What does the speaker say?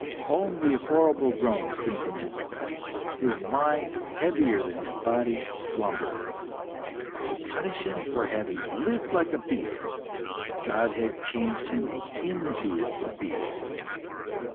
Only horrible groans came from his breast. His mind, heavier than his body, slumbered. To punish him for having lived like a beast, God had changed him into a beast.